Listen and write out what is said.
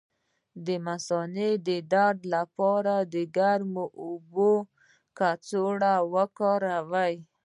د مثانې د درد لپاره د ګرمو اوبو کڅوړه وکاروئ